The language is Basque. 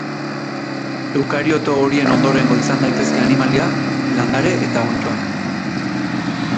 Eukarioto horien ondorengo izan daitezke animalia, landare eta onddoak.